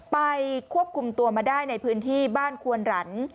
ไปควบคุมตัวมาได้ในพื้นที่บ้านควนหลัน